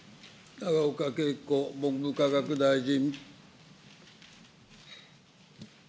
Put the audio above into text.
永岡桂子文部科学大臣。